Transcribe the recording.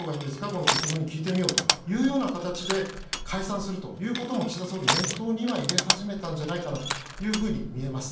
とこの国民に聞いてみようという形で解散するということで岸田総理は念頭には入れ始めたんじゃないかなとみえます。